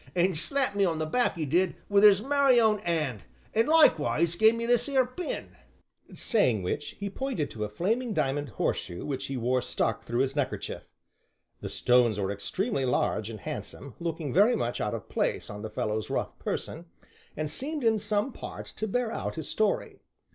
An' slapped me on the back 'e did, wi' 'is merry own 'and, an' likewise gave me this 'ere pin," saying which, he pointed to a flaming diamond horseshoe which he wore stuck through his neckerchief. The stones were extremely large and handsome, looking very much out of place on the fellow's rough person, and seemed in some part to bear out his story.